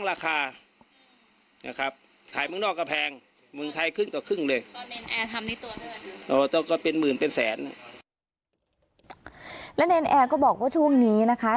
และเนรแอร์ก็บอกว่าช่วงนี้นะคะ